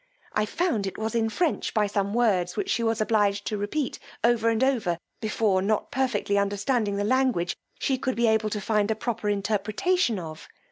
I found it was in French, by some words which she was obliged to repeat over and over, before, not perfectly understanding the language, she could be able to find a proper interpretation of.